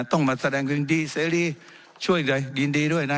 นะต้องมาแสดงวิทย์ดีซไรลี่ช่วยเลยยินดีด้วยนะ